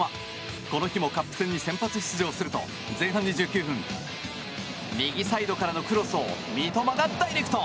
この日もカップ戦に先発出場すると前半２９分右サイドからのクロスを三笘がダイレクト。